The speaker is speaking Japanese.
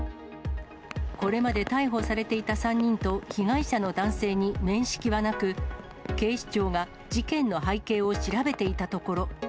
これまで逮捕されていた３人と被害者の男性に面識はなく、警視庁が事件の背景を調べていたところ。